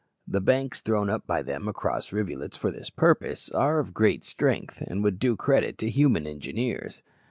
The banks thrown up by them across rivulets for this purpose are of great strength, and would do credit to human engineers.